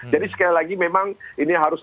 jadi sekali lagi memang ini harus